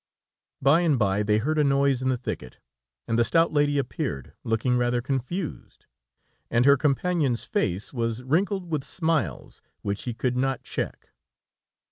By and bye they heard a noise in a thicket, and the stout lady appeared looking rather confused, and her companion's face was wrinkled with smiles which he could not check.